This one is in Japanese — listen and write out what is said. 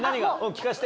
聞かせて。